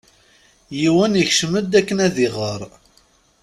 Yiwen ikcem-d akken ad iɣer.